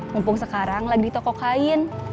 mumpung sekarang lagi di toko kain